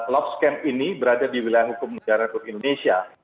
love scam ini berada di wilayah hukum negara indonesia